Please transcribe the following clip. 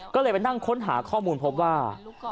ก็เลยไปนั่งค้นหาข้อมูลพบว่า